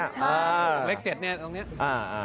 เลข๗เนี่ยตรงนี้อ่า